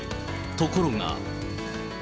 ところが。